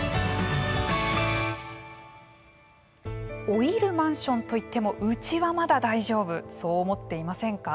老いるマンションといってもうちはまだ大丈夫そう思っていませんか。